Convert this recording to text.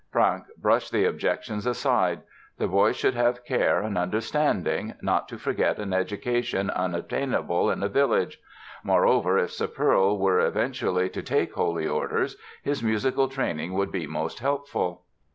Franck brushed the objections aside; the boy should have care and understanding, not to forget an education unobtainable in a village. Moreover, if "Sepperl" were eventually to take holy orders his musical training would be most helpful.